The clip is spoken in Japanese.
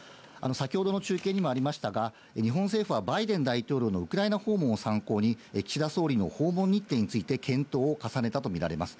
先ほどの中継にもありましたが、日本政府はバイデン大統領のウクライナ訪問を参考に岸田総理の訪問日程について検討を重ねたとみられます。